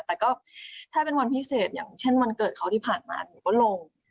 แต่ก็ถ้าเป็นวันพิเศษอย่างเช่นวันเกิดเขาที่ผ่านมาหนูก็ลง